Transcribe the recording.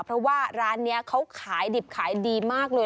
เพราะว่าร้านนี้เขาขายดิบขายดีมากเลย